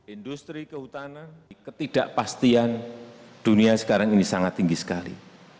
industri kehutanan ketidakpastian dunia sekarang ini sangat tinggi sekali